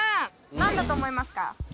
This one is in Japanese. なんだと思いますか？